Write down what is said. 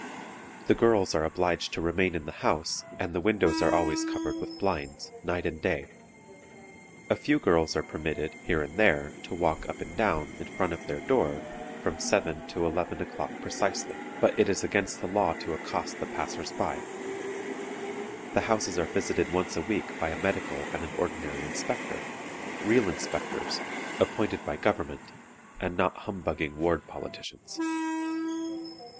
The girls are obliged to remain in the house, and the windows are always covered with blinds, night and day. A few girls are permitted, here and there, to walk up and down, in front of their door, from 7 to 11 o'clock precisely, but it is against the law to accost the passers by. The houses are visited once a week by a medical and an ordinary inspector real inspectors, appointed by government, and not humbugging ward politicians.